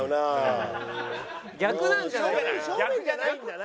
逆なんじゃないかな？